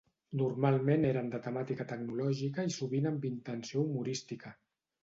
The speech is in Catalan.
Normalment eren de temàtica tecnològica i sovint amb intenció humorística.